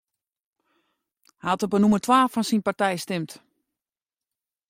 Hy hat op nûmer twa fan syn partij stimd.